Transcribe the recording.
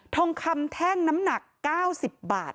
ทองคำแท่งน้ำหนัก๙๐บาท